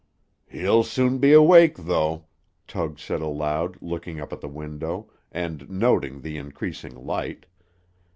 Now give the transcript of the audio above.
"He'll soon be awake, though," Tug said aloud, looking up at the window, and noting the increasing light.